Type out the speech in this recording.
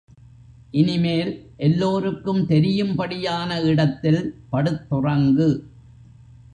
இனிமேல் எல்லோருக்கும் தெரியும் படியான இடத்தில் படுத்துறங்கு.